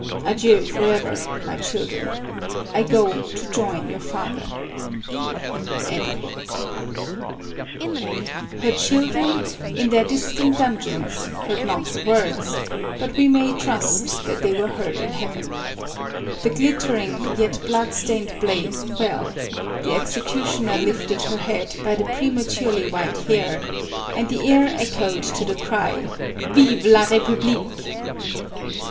Adieu forever, my children ; I go to join your father." Her children, in their distant dungeons, heard not the MARIE ANTOINETTE. 469 words, but we may trust they were heard in heaven. The glittering yet blood stained blade fell ; the execu tioner lifted her head by the prematurely white hair, and the air echoed to the cry, " Vive la Edpublique